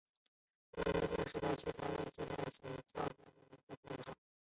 峨眉吊石苣苔为苦苣苔科吊石苣苔属下的一个种。